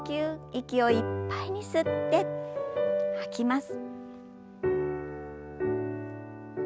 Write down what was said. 息をいっぱいに吸って吐きます。